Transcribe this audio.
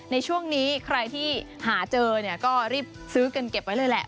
ในช่วงนี้ใครที่หาเจอเนี่ยก็รีบซื้อกันเก็บไว้เลยแหละ